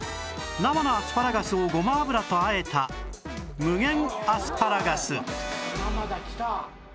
生のアスパラガスをごま油とあえた無限アスパラガス